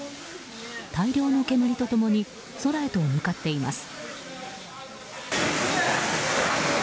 大量の煙と共に空へと向かっています。